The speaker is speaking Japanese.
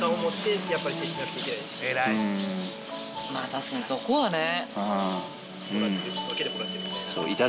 確かにそこはね。